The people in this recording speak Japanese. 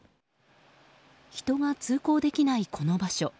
人が通行できない、この場所。